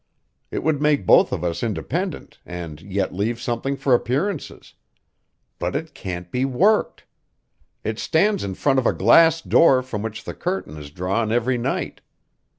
It would make both of us independent, and yet leave something for appearances. But it can't be worked. It stands in front of a glass door from which the curtain is drawn every night.